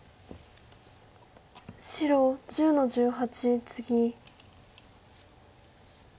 白１０の十八ツギ。